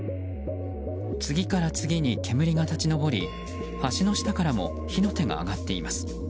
次から次に煙が立ち上り橋の下からも火の手が上がっています。